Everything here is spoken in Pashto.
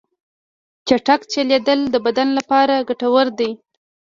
چټک چلیدل د بدن لپاره ګټور دي.